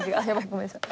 ごめんなさい。